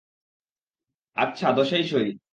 আচ্ছা, দশেই সই।